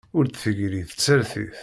Ur d-tegri tsertit.